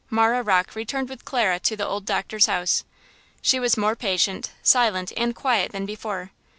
Marah Rocke returned with Clara to the old doctor's house. She was more patient, silent and quiet than before.